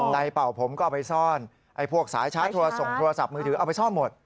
ใดเป่าผมก็เอาไปซ่อนไอ้พวกสายชาร์จทัวร์ส่งโทรศัพท์มือถือเอาไปซ่อนหมด